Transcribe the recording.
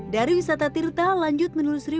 dari wisata tirta lanjut menulis riwis